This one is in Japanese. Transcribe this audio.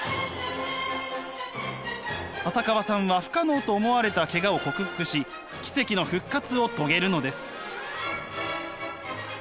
浅川さんは不可能と思われたケガを克服し奇跡の復活を遂げるのです。